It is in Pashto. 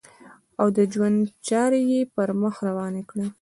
او د ژوند چارې یې پر مخ روانې کړې.